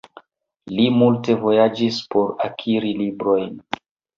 Li multe vojaĝis por akiri librojn.